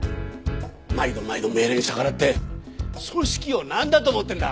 毎度毎度命令に逆らって組織をなんだと思ってるんだ。